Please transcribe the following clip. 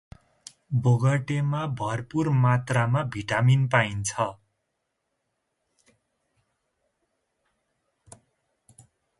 भोगटेमा भरपूर मात्रामा भिटामिन पाइन्छ ।